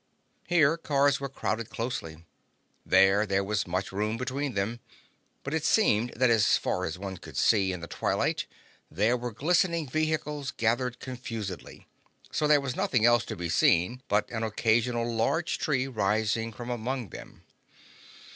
Here, cars were crowded closely. There, there was much room between them. But it seemed that as far as one could see in the twilight there were glistening vehicles gathered confusedly, so there was nothing else to be seen but an occasional large tree rising from among them.